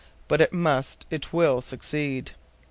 But it must, it will succeed."